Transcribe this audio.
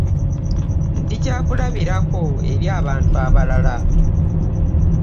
Ndi kyakulabirako eri abantu abalala.